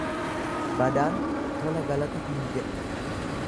Badaan tola galata hin jedhu.